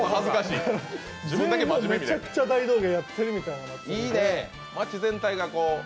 めちゃくちゃ大道芸やってるみたいな祭りで。